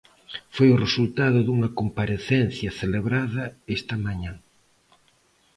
Foi o resultado dunha comparecencia celebrada esta mañá.